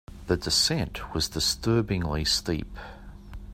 The descent was disturbingly steep.